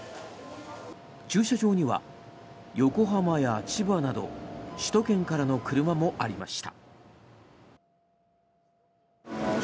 駐車場には横浜や千葉など首都圏からの車もありました。